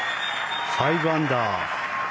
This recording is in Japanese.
５アンダー。